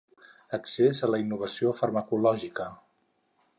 Accés a la innovació farmacològica.